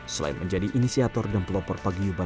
selain menjadi inisiator dan pelopor pagiubahan untuk kesejahteraan